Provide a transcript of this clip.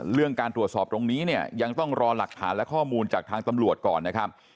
เรื่องการตรวจสอบตรงนี้เนี่ยยังต้องรอหลักฐานและข้อมูลจากทางตำรวจก่อนนะครับ